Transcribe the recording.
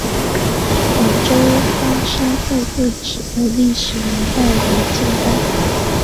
广州湾商会会址的历史年代为近代。